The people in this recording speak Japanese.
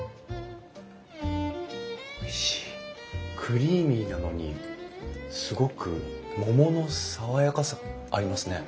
クリーミーなのにすごく桃の爽やかさがありますね。